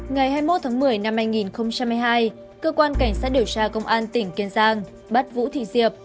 ngày hai mươi một một mươi hai nghìn một mươi hai cơ quan cảnh sát điều tra công an tỉnh kiên giang bắt vũ thị diệp